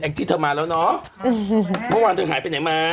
ที่เธอมาแล้วเนอะเมื่อวานเธอหายไปไหนมา